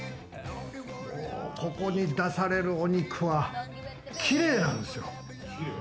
ここで出されるお肉はキレイなんですよ。